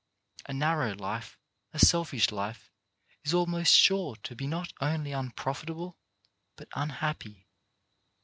A narrow life, a selfish life, is almost sure to be not only un profitable but unhappy.